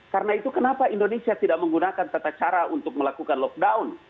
karena itu kenapa indonesia tidak menggunakan tata cara untuk melakukan lockdown